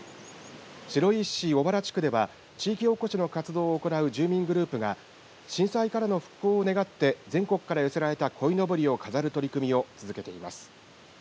白石市小原地区では地域おこしの活動を行う住民グループが震災からの復興を願って全国から寄せられたこいのぼりを飾る取り組みを続けています。